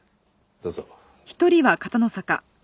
どうぞ。